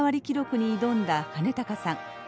記録に挑んだ兼高さん。